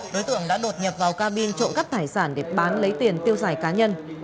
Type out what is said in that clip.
đối tượng đã đột nhập vào ca bin trộm cắp tài sản để bán lấy tiền tiêu giải cá nhân